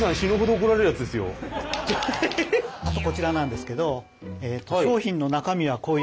あとこちらなんですけど。